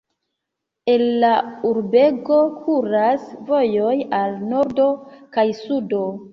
El la urbego kuras vojoj al nordo kaj sudo.